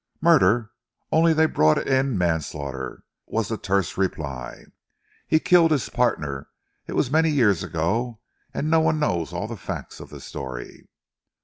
"Murder, only they brought it in manslaughter," was the terse reply. "He killed his partner. It was many years ago, and no one knows all the facts of the story."